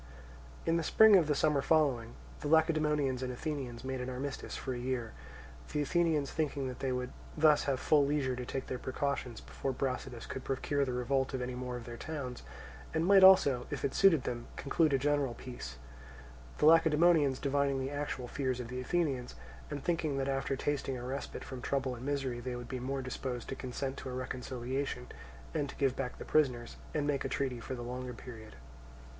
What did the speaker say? In the spring of the summer following, the Lacedaemonians and Athenians made an armistice for a year; the Athenians thinking that they would thus have full leisure to take their precautions before Brasidas could procure the revolt of any more of their towns, and might also, if it suited them, conclude a general peace; the Lacedaemonians divining the actual fears of the Athenians, and thinking that after once tasting a respite from trouble and misery they would be more disposed to consent to a reconciliation, and to give back the prisoners, and make a treaty for the longer period.